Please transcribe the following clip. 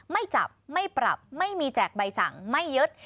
ไม่จับไม่ปรับไม่มีแจกใบสั่งไม่ยึด